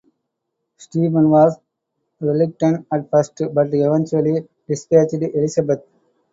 Stephen was reluctant at first, but eventually dispatched Elizabeth.